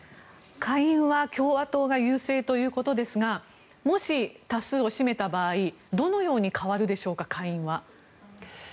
下院は共和党が優勢ということですがもし多数を占めた場合、下院はどのように変わるでしょうか。